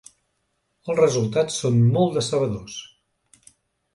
Els resultats són molt decebedors.